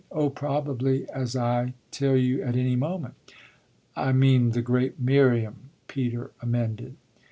Oh probably, as I tell you, at any moment." "I mean the great Miriam," Peter amended.